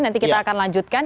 nanti kita akan lanjutkan